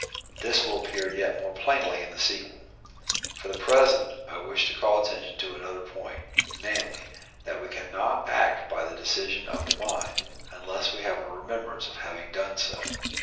This will appear yet more plainly in the sequel. For the present I wish to call attention to another point, namely, that we cannot act by the decision of the mind, unless we have a remembrance of having done so.